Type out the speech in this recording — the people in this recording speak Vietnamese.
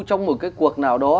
trong một cái cuộc nào đó